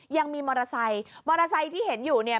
ยังมีมอเตอร์ไซค์มอเตอร์ไซค์ที่เห็นอยู่เนี่ย